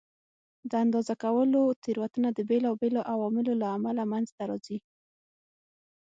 د اندازه کولو تېروتنه د بېلابېلو عواملو له امله منځته راځي.